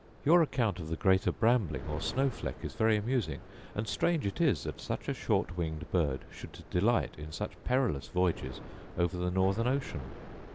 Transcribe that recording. Your account of the greater brambling, or snow fleck, is very amusing; and strange it is that such a short winged bird should delight in such perilous voyages over the northern ocean!